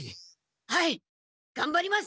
はいがんばります！